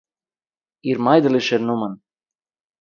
איר מיידלישער נאָמען